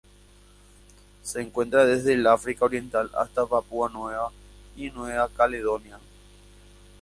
Se encuentra desde el África Oriental hasta Papúa Nueva Guinea y Nueva Caledonia.